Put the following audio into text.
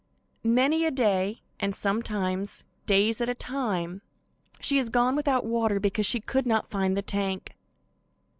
Many a day, and sometimes days at a time, she has gone without water because she could not find the tank.